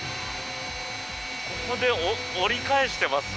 ここで折り返しています？